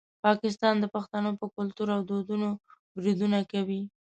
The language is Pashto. پاکستان د پښتنو په کلتور او دودونو بریدونه کوي.